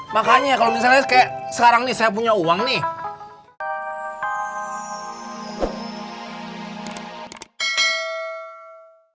makanya kalau misalnya kayak sekarang nih saya punya uang nih